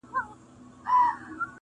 د فتوحاتو یرغلونو او جنګونو کیسې,